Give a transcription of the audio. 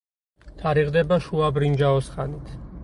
თარიღდება შუა ბრინჯაოს ხანით.